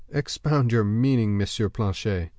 "Expound your meaning, M. Planchet."